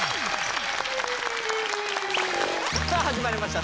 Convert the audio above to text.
さあ始まりました